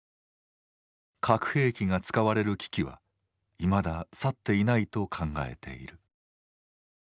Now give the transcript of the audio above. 核兵器が使われる危機はいまだ去っていないと考えている。